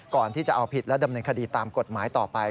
ก่อนที่จะเอาผิดและดำเนินคดีตามกฎหมายต่อไป